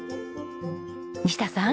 西田さん。